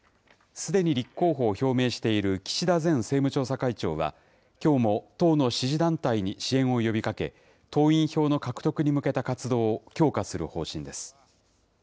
すでに立候補を表明している岸田前政務調査会長は、きょうも党の支持団体に支援を呼びかけ、党員票の獲得に向けた活動を強化する方針です。